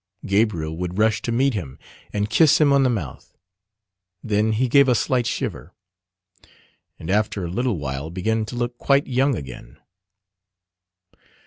Gabriel would rush to meet him, and kiss him on the mouth. Then he gave a slight shiver: and after a little while began to look quite young again.